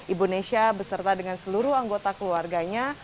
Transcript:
ibu nesha beserta dengan seluruh anggota keluarganya